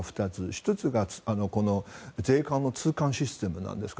１つが、この税関の通関システムなんですね。